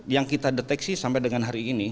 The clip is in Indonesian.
yang kita deteksi sampai dengan hari ini